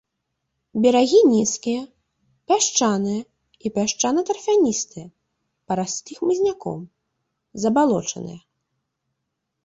Берагі нізкія, пясчаныя і пясчана-тарфяністыя, параслі хмызняком, забалочаныя.